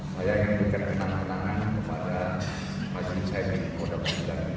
saya ingin berikan penanganan kepada pak jelisaya dari kodam sembilan udayana